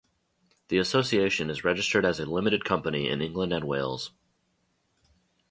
The association is registered as a limited company in England and Wales.